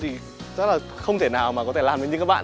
thì rất là không thể nào mà có thể làm được như các bạn